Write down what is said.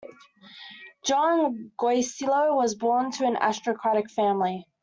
Juan Goytisolo was born to an aristocratic family.